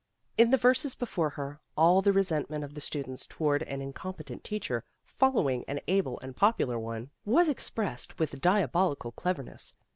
In the verses before her, all the resentment of the students toward an incompetent teacher, following an able and popular one, was ex pressed with diabolical cleverness.